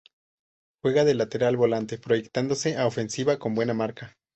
Juega de lateral volante, proyectándose a ofensiva, con buena marca.